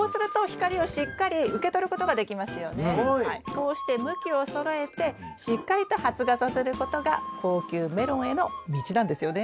こうして向きをそろえてしっかりと発芽させることが高級メロンへの道なんですよね。